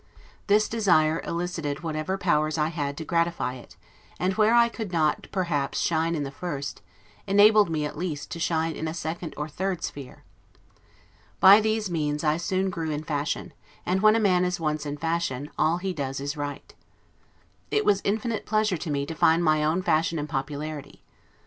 This desire elicited whatever powers I had to gratify it; and where I could not perhaps shine in the first, enabled me, at least, to shine in a second or third sphere. By these means I soon grew in fashion; and when a man is once in fashion, all he does is right. It was infinite pleasure to me to find my own fashion and popularity.